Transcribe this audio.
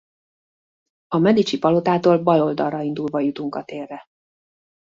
A Medici-palotától bal oldalra indulva jutunk a térre.